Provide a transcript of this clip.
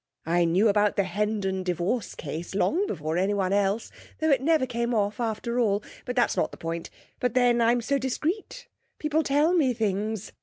I knew about the Hendon Divorce Case long before anyone else, though it never came off after all, but that's not the point. But then I'm so discreet; people tell me things.